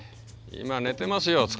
今寝てますよ